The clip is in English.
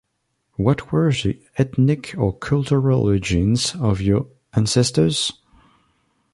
What were the ethnic or cultural origins of your ancestors?